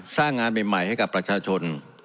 สร้างงานใหม่ให้กับประชาชน